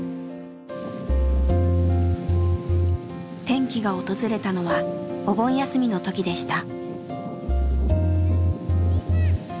転機が訪れたのはお盆休みの時でした。